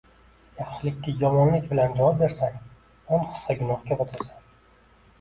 Yaxshilikka yomonlik bilan javob bersang, o’n hissa gunohga botasan.